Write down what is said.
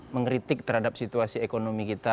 mengkritik terhadap situasi ekonomi kita